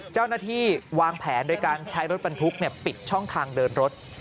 เจ้าหน้าที่วางแผนโดยการใช้รถบรรทุกปิดช่องทางเดินรถ